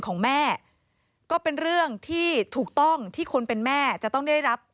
ของแม่ก็เป็นเรื่องที่ถูกต้องที่คนเป็นแม่จะต้องได้รับ